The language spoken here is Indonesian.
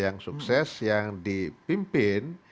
yang sukses yang dipimpin